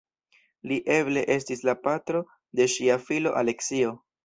Li eble estis la patro de ŝia filo Aleksio.